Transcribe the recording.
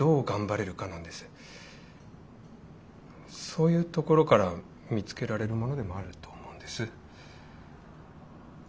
そういうところから見つけられるものでもあると思うんです。